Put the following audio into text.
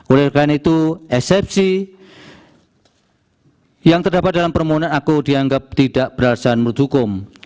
oleh karena itu eksepsi yang terdapat dalam permohonan aku dianggap tidak beralasan menurut hukum